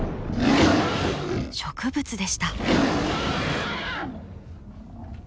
植物でした。